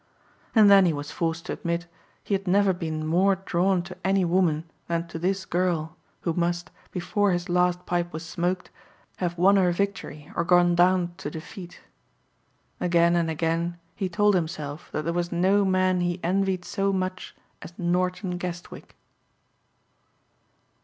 And then he was forced to admit he had never been more drawn to any woman than to this girl, who must, before his last pipe was smoked, have won her victory or gone down to defeat. Again and again he told himself that there was no man he envied so much as Norton Guestwick.